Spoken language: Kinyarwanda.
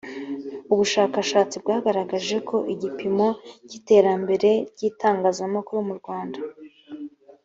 ubushakashatsi bwagaragaje ko igipimo cy’iterambere ry’itangazamakuru mu rwanda